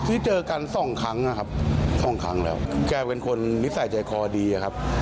ที่เจอกันสองครั้งนะครับสองครั้งแล้วแกเป็นคนนิสัยใจคอดีอะครับ